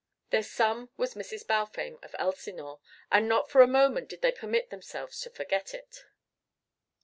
Their sum was Mrs. Balfame of Elsinore, and not for a moment did they permit themselves to forget it.